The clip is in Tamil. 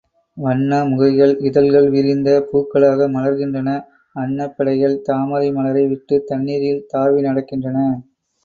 வண்ண முகைகள் இதழ்கள் விரிந்த பூக்களாக மலர்கின்றன அன்னப் பெடைகள் தாமரை மலரை விட்டுத் தண்ணீரில் தாவி நடக்கின்றன.